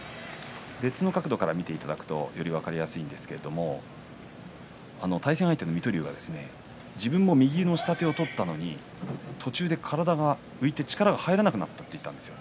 別の角度から見ていただくとより分かりやすいですけれども対戦相手の水戸龍は自分右の下手を取ったのに途中で体が浮いて力が入らなくなったと言ったんです。